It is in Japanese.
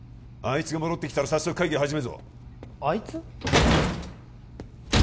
あいつが戻ってきたら早速会議を始めるぞあいつ？